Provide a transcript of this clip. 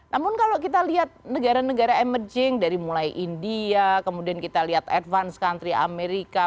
namun kalau kita lihat negara negara emerging dari mulai india kemudian kita lihat advance country amerika